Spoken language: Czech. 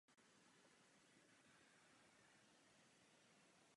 Zemřela v Paříži na choleru a je zde pochována na hřbitově Montmartre.